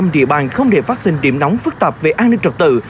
một trăm linh địa bàn không để phát sinh điểm nóng phức tạp về an ninh trật tự